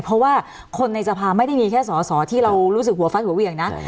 เพราะว่าคนในสภาไม่ได้มีแค่สอสอที่เรารู้สึกหัวฟัดหัวเหวี่ยงนะ